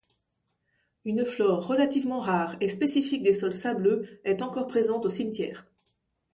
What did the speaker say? Une flore relativement rare et spécifique des sols sableux est encore présente au cimetière.